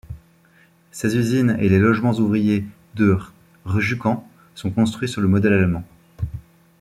Ses usines et les logements ouvriers de Rjukan sont construits sur le modèle allemand.